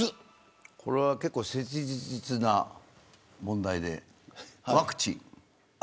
これは切実な問題でワクチン。